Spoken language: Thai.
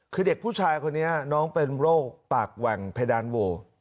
คือเด็กผู้ชายคนนี้น้องเป็นโรคปากแหว่งเพดานโหว